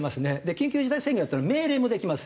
緊急事態宣言だったら命令もできます。